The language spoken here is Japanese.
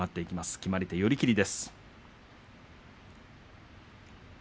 決まり手、寄り切りです。